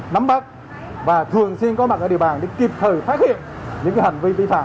nắm bắt và thường xuyên có mặt ở địa bàn để kịp thời phát hiện những hành vi vi phạm